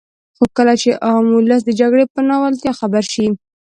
خو کله چې عام ولس د جګړې په ناولتیا خبر شي.